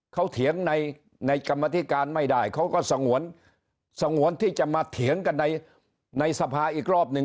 เขาเถียงในกรรมธิการไม่ได้เขาก็สงวนสงวนที่จะมาเถียงกันในสภาอีกรอบหนึ่ง